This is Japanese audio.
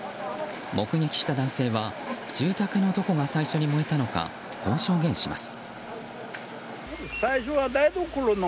目撃した男性は住宅のどこが最初に燃えたのかこう証言します。